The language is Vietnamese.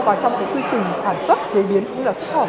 vào trong cái quy trình sản xuất chế biến cũng là xuất khẩu